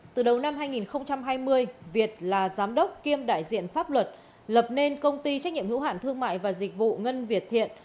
từ đầu năm hai nghìn hai mươi việt là giám đốc kiêm đại diện pháp luật lập nên công ty trách nhiệm hữu hạn thương mại và dịch vụ ngân việt thiện